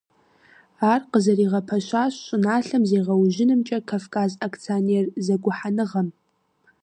Ар къызэригъэпэщащ щӀыналъэм зегъэужьынымкӀэ «Кавказ» акционер зэгухьэныгъэм.